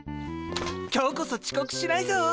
今日こそちこくしないぞ。